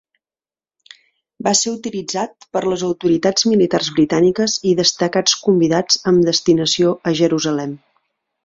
Va ser utilitzat per les autoritats militars britàniques i destacats convidats amb destinació a Jerusalem.